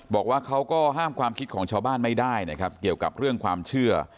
บอกว่าเขาก็ห้ามความคิดของชาวบ้านไม่ได้นะครับเกี่ยวกับเรื่องความเชื่อ